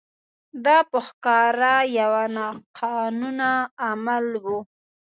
دا په ښکاره یو ناقانونه عمل و.